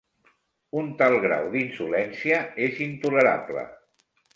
Un tal grau d'insolència és intolerable.